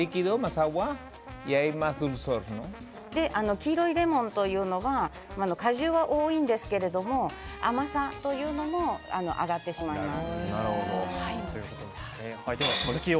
黄色いレモンというのは果汁が多いんですけれど甘さというものが上がってしまいます。